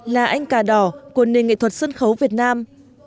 là anh cà đỏ của nền nghệ thuật sân khấu việt nam